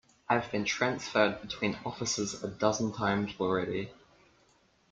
I've been transferred between offices a dozen times already.